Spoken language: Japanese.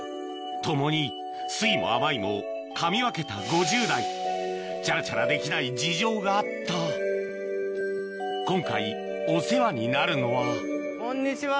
共に酸いも甘いもかみ分けた５０代チャラチャラできない事情があった今回お世話になるのはこんにちは。